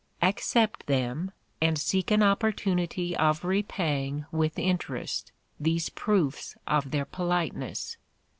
Accept them, and seek an opportunity of repaying with interest, these proofs of their politeness.